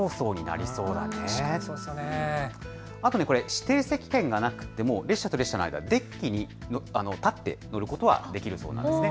指定席券がなくても列車と列車の間、デッキに立って乗ることはできるそうです。